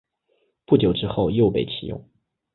不久之后又被起用。